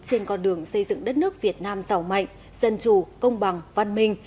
trên con đường xây dựng đất nước việt nam giàu mạnh dân chủ công bằng văn minh